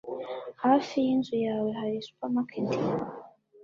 Hafi yinzu yawe hari supermarket?